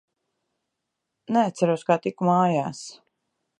Neatceros, kā tiku mājās.